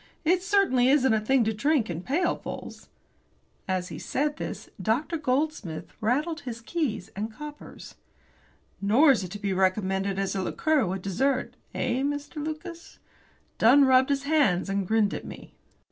"It certainly isn't a thing to drink in pailfuls." As he said this, Dr. Goldsmith rattled his keys and coppers. "Nor is it to be recommended as a liqueur with dessert eh, Mr. Lucas?" Dunn rubbed his hands, and grinned at me.